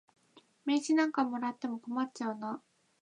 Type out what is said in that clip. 名刺なんかもらっても困っちゃうな。